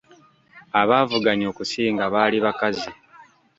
Abaavuganya okusinga baali bakazi.